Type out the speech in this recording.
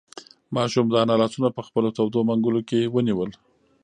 ماشوم د انا لاسونه په خپلو تودو منگولو کې ونیول.